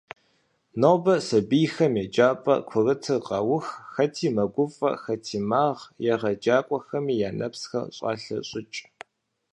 Нобэ сэбийхэм еджапӏэ курытыр къаух - хэти мэгуфӏэ, хэти магъ, егъэджакӏуэхэми я нэпсхэр щӏалъэщӏыкӏ.